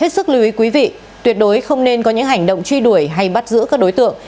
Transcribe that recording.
sức lưu ý quý vị tuyệt đối không nên có những hành động truy đuổi hay bắt giữ các đối tượng